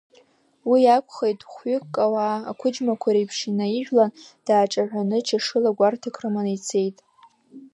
Уи акәхеит, хәҩык ауаа ақәыџьмақәа реиԥш инаижәлан, дааҿаҳәаны, чашыла гәарҭак рыманы ицеит.